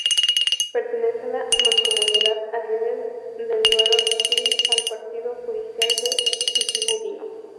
Pertenece a la Mancomunidad Arribes del Duero y al partido judicial de Vitigudino.